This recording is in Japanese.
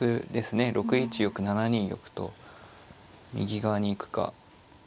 ６一玉７二玉と右側に行くか。